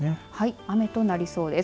雨となりそうです。